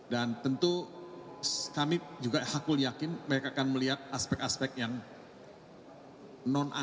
dan tentu kami juga hakul yakin mereka akan melihat aspek aspek yang non fakta